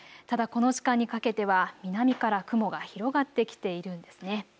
ただこの時間にかけては南から雲が広がってきているんですね。